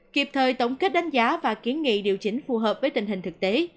kịp thời tổng kết đánh giá và kiến nghị điều chỉnh phù hợp với tình hình thực tế